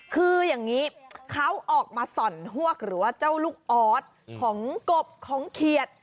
คืออย่างนี้เขาออกมาส่อนฮวกหรือว่าเจ้าลูกออสของกบของเขียด